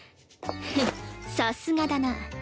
ふっさすがだな。